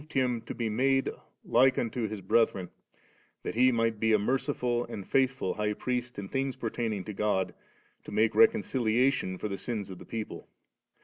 353 Him to be made like unto Hit brediren, that He might be a merdftil and foithful High Priest in things pertaining to God, to mue reconciliation for the sins of the people.